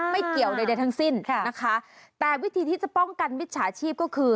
ไม่เกี่ยวใดทั้งสิ้นนะคะแต่วิธีที่จะป้องกันมิจฉาชีพก็คือ